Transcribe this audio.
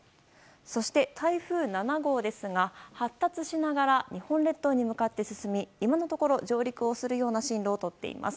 そして台風７号ですが発達しながら日本列島に向かって進み今のところ上陸するような進路をとっています。